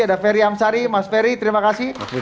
ada ferry amsari mas ferry terima kasih